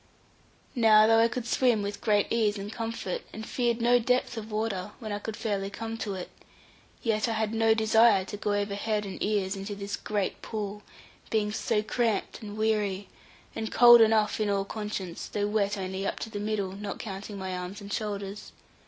Now, though I could swim with great ease and comfort, and feared no depth of water, when I could fairly come to it, yet I had no desire to go over head and ears into this great pool, being so cramped and weary, and cold enough in all conscience, though wet only up to the middle, not counting my arms and shoulders.